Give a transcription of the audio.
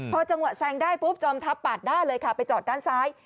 พอจังหวะแซงได้ปุ๊บจอมทัพปาดหน้าเลยค่ะไปจอดด้านซ้าย